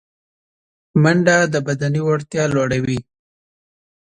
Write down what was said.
منډه د بدني وړتیا لوړوي